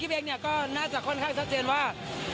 เองเนี่ยก็น่าจะค่อนข้างชัดเจนว่า